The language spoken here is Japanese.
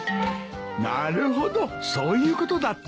なるほどそういうことだったのか。